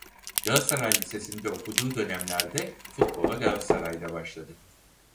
Galatasaray Lisesi'nde okuduğu dönemlerde futbola Galatasaray'da başladı.